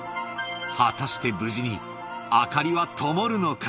果たして無事に明かりはともるのか？